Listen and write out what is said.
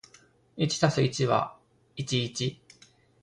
一足す一は一ー